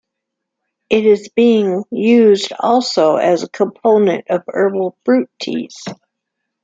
It is being used also as a component of herbal fruit teas.